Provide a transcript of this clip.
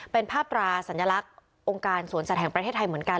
เป็นภาพตราสัญลักษณ์องค์การสวนสัตว์แห่งประเทศไทยเหมือนกัน